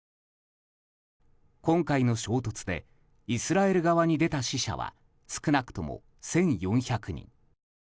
今回の衝突でイスラエル側に出た死者は少なくとも１４００人。